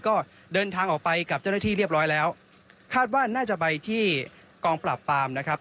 ก็เดินทางออกไปกับเจ้าหน้าที่เรียบร้อยแล้วคาดว่าน่าจะไปที่กองปราบปามนะครับ